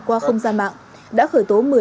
qua không gian mạng đã khởi tố một mươi chín